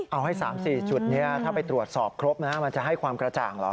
เอาให้๓๔จุดนี้ถ้าไปตรวจสอบครบนะมันจะให้ความกระจ่างเหรอ